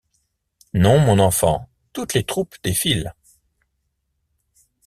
Non, mon enfant, toutes les troupes défilent.